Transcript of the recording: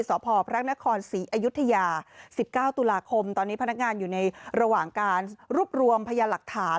สพพระนครศรีอยุธยา๑๙ตุลาคมตอนนี้พนักงานอยู่ในระหว่างการรวบรวมพยานหลักฐาน